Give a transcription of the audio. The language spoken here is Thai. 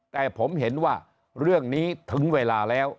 แต่ผมเห็นว่าเรื่องนี้ถึงเวลาแล้ว